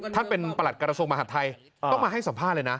ท่านเป็นประหลัดกระทรวงมหาดไทยต้องมาให้สัมภาษณ์เลยนะ